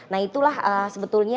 nah itulah sebetulnya